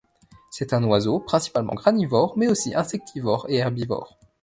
C'est un oiseau principalement granivore, mais aussi insectivore et herbivore.